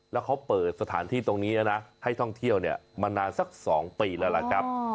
แล้วเขาเปิดสถานที่ตรงนี้แล้วนะให้ท่องเที่ยวมานานสัก๒ปีแล้วล่ะครับ